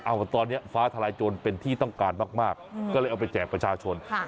เอาตอนนี้ฟ้าทลายโจรเป็นที่ต้องการมากก็เลยเอาไปแจกประชาชน